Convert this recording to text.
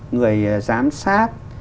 người giám sát